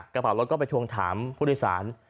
กระเป๋ารถก็ไปทวงถามผู้โดยสาร